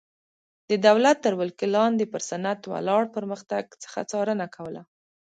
د دولت تر ولکې لاندې پر صنعت ولاړ پرمختګ څخه څارنه کوله.